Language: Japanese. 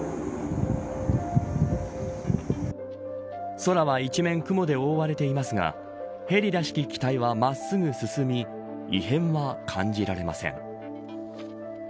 空は一面雲で覆われていますがヘリらしき機体は真っすぐ進み異変は感じられません。